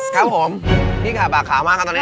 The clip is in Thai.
ครับผมพี่ขับปากขาวมากครับตอนนี้